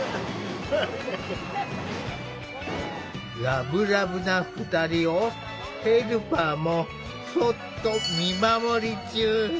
ラブラブな２人をヘルパーもそっと見守り中。